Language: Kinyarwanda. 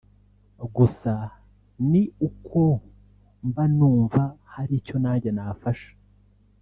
gusa ni uko mba numva hari icyo nanjye nafasha